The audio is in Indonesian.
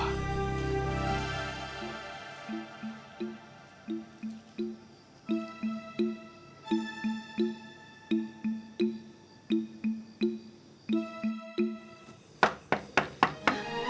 rumah calon mertua